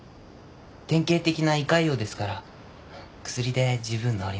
典型的な胃潰瘍ですから薬で十分治ります。